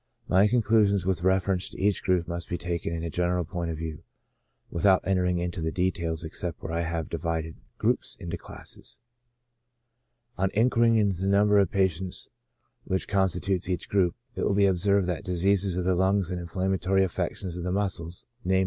My conclusions with reference to each group must be taken in a general point of view, without entering into the details, except where I have divided groups into classes. On inquiring into the number of patients which consti tute each group, it will be observed that diseases of the lungs and inflammatory affections of the muscles — viz.